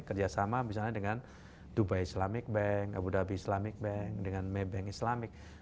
kerjasama misalnya dengan dubai islamic bank abu dhabi islamic bank dengan maybank islamic